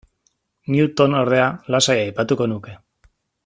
Newton, ordea, lasai aipatuko nuke.